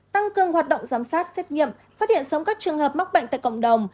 tăng cường hoạt động giám sát xét nghiệm phát hiện sớm các trường hợp mắc bệnh tại cộng đồng